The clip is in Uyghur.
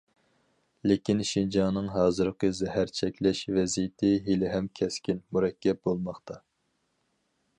لېكىن شىنجاڭنىڭ ھازىرقى زەھەر چەكلەش ۋەزىيىتى ھېلىھەم كەسكىن، مۇرەككەپ بولماقتا.